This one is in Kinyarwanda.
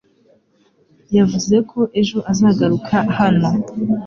Yavuze ko ejo azagaruka hano.